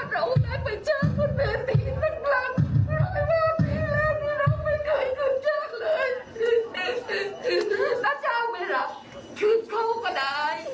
เราไม่เคยถึงเจ้าเลยถ้าเจ้าไม่รับขึ้นเขาก็ได้